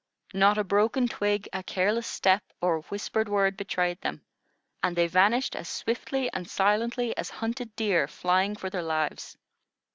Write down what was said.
Not a broken twig, a careless step, or a whispered word betrayed them, and they vanished as swiftly and silently as hunted deer flying for their lives.